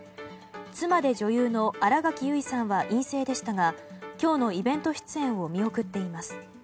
妻で女優の新垣結衣さんは陰性でしたが今日のイベント出演を見送っています。